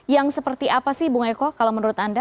yang seperti apa sih bu ngeko kalau menurut anda